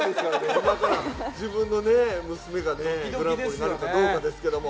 今から自分の娘がグランプリになるかどうかですけれども。